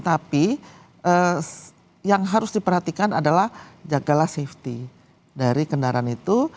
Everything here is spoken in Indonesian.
tapi yang harus diperhatikan adalah jagalah safety dari kendaraan itu